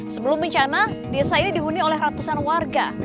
sebelum bencana desa ini dihuni oleh ratusan warga